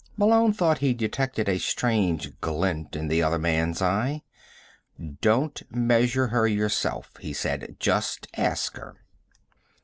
Malone thought he detected a strange glint in the other man's eye. "Don't measure her yourself," he said. "Just ask her."